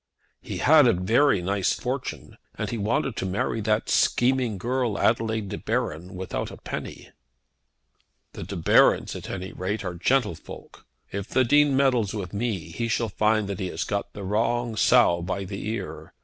"She had such a very nice fortune! And then he wanted to marry that scheming girl, Adelaide De Baron, without a penny." "The De Barons, at any rate, are gentlefolk. If the Dean meddles with me, he shall find that he has got the wrong sow by the ear.